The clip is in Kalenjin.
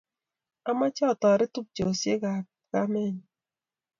Amoche atoret tupchoshe ak kamenyu